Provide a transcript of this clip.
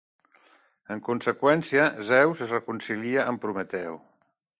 En conseqüència, Zeus es reconcilia amb Prometeu.